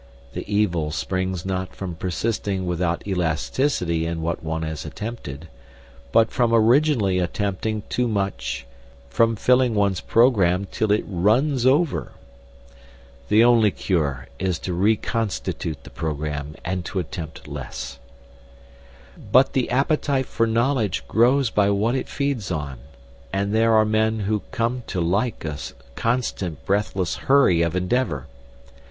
The evil springs not from persisting without elasticity in what one has attempted, but from originally attempting too much, from filling one's programme till it runs over. The only cure is to reconstitute the programme, and to attempt less. But the appetite for knowledge grows by what it feeds on, and there are men who come to like a constant breathless hurry of endeavour.